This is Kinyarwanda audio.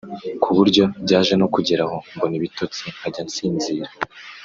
ku buryo byaje no kugeraho mbona ibitotsi nkajya nsinzira